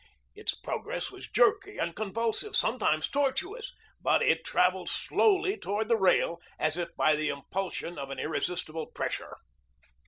Its progress was jerky and convulsive, sometimes tortuous, but it traveled slowly toward the rail as if by the impulsion of an irresistible pressure.